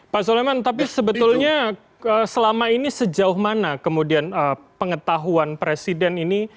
pak soleman tapi sebetulnya selama ini sejauh mana kemudian pengetahuan presiden ini